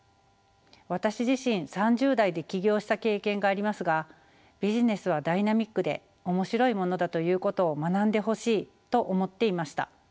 私自身３０代で起業した経験がありますがビジネスはダイナミックで面白いものだということを学んでほしいと思っていました。